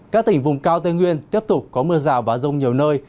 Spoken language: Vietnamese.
các tỉnh vùng cao tây nguyên tiếp tục có mưa rào và rông nhiều nơi